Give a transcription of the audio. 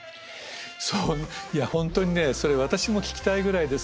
いや本当にねそれ私も聞きたいぐらいですけども。